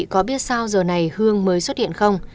có biết sao giờ này hương mới xuất hiện không